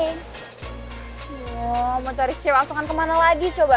ayo mau cari si masukan kemana lagi coba